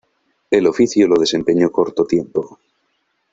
El oficio lo desempeñó corto tiempo.